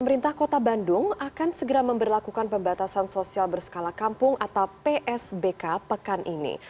pemerintah kota bandung akan segera memperlakukan pembatasan sosial berskala kampung atau psbk pekan ini